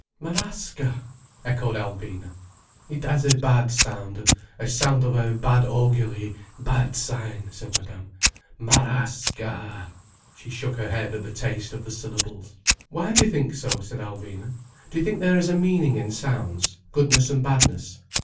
"Marasca!" echoed Alvina. "It has a bad sound—a sound of a bad augury, bad sign," said Madame. "Ma rà sca!" She shook her head at the taste of the syllables. "Why do you think so?" said Alvina. "Do you think there is a meaning in sounds? goodness and badness?"